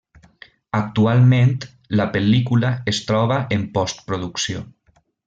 Actualment la pel·lícula es troba en Postproducció.